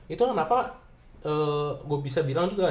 itu kenapa gue bisa bilang juga